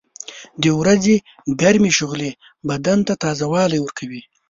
• د ورځې ګرمې شغلې بدن ته تازهوالی ورکوي.